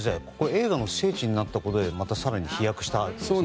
映画の聖地になったことで更に飛躍したんですね。